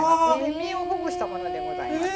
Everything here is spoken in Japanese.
身をほぐしたものでございます。